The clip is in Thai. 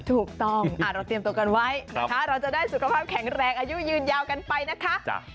ถูกต้องเราเตรียมตัวกันไว้นะคะเราจะได้สุขภาพแข็งแรงอายุยืนยาวกันไปนะคะ